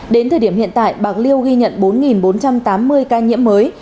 đến thời điểm hiện tại bạc liêu ghi nhận bốn bốn trăm tám mươi ca nhiễm mới